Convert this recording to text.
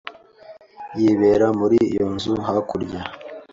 Yibera muri iyo nzu hakurya.